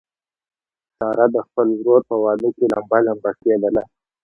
ساره د خپل ورور په واده کې لمبه لمبه کېدله.